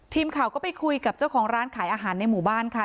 ทีมข่าวก็ไปคุยกับเจ้าของร้านขายอาหารในหมู่บ้านค่ะ